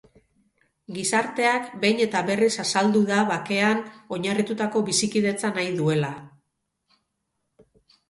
Gizarteak behin eta berriz azaldu da bakean oinarritutako bizikidetza nahi duela.